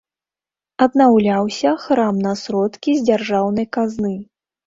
Аднаўляўся храм на сродкі з дзяржаўнай казны.